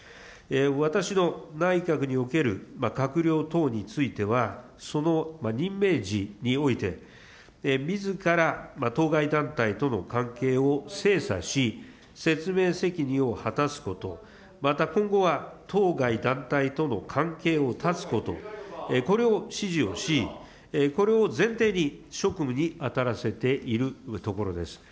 私の内閣における閣僚等については、その任命時において、みずから当該団体との関係を精査し、説明責任を果たすこと、また今後は当該団体との関係を断つこと、これを指示をし、これを前提に職務に当たらせているところです。